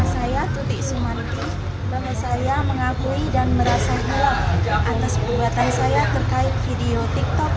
saya tutik sumanti bahwa saya mengakui dan merasa gelap atas perbuatan saya terkait video tiktok